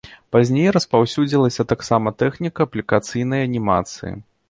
Пазней распаўсюдзілася таксама тэхніка аплікацыйнай анімацыі.